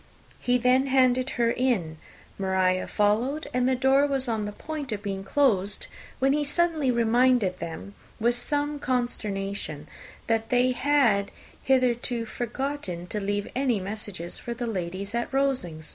He then handed her in, Maria followed, and the door was on the point of being closed, when he suddenly reminded them, with some consternation, that they had hitherto forgotten to leave any message for the ladies of Rosings.